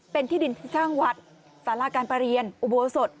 เป็นที่ดินที่สร้างวัดสาราการประเรียนอุโบสถ